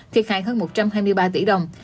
thiệt hại hơn một trăm hai mươi ba tỷ đồng